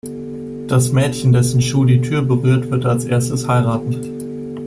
Das Mädchen, dessen Schuh die Tür berührt, wird als erstes heiraten.